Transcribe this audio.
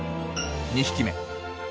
２匹目。